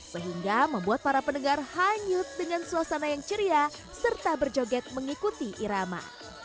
sehingga membuat para pendengar hanyut dengan suasana yang ceria serta berjoget mengikuti irama